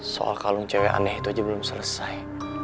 soal kalung cewek aneh itu aja belum selesai